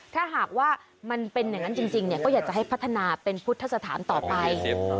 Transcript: ถ้าหากว่ามันเป็นอย่างนั้นจริงก็อยากจะให้พัฒนาเป็นพุทธสถานต่อไป